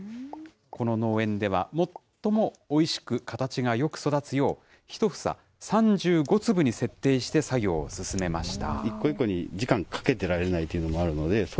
この農園では、最もおいしく形がよく育つよう、１房３５粒に設定して、作業を進めました。